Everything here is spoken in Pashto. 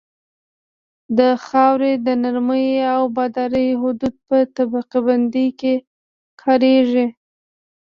د خاورې د نرمۍ او ابدارۍ حدود په طبقه بندۍ کې کاریږي